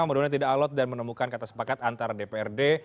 mungkin tidak alot dan menemukan kata sepakat antara dprd